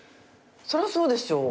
そりゃそうでしょう。